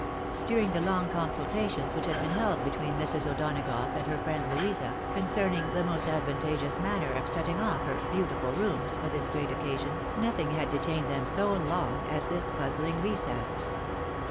During the long consultations which had been held between Mrs. O'Donagough and her friend Louisa, concern ing the most advantageous manner of setting off her " beautiful rooms" for this great occasion, nothing had detained them so long as this puzzling recess.